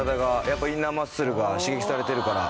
やっぱインナーマッスルが刺激されてるから。